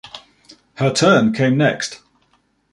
Her turn came next.